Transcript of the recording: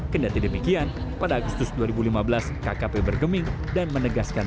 kendati demikian pada agustus dua ribu lima belas kkp bergeming dan menegaskan